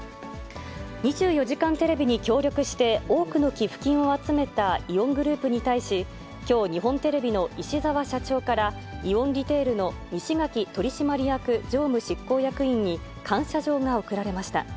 ２４時間テレビに協力して、多くの寄付金を集めたイオングループに対し、きょう、日本テレビの石澤社長から、イオンリテールの西垣取締役常務執行役員に、感謝状が贈られました。